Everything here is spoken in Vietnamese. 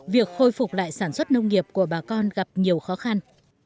việc khôi phục lại sản xuất nông nghiệp của bà con gặp nhiều khó khăn